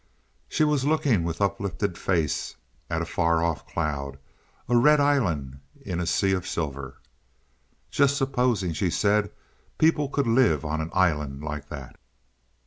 She was looking with uplifted face at a far off cloud, a red island in a sea of silver. "Just supposing," she said, "people could live on an island like that."